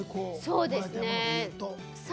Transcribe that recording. そうですね。